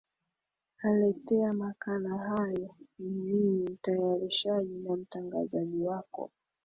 aletea makala haya ni mimi mtayarishaji na mtangazaji wako